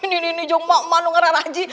ini ini jom mah emak ngera raji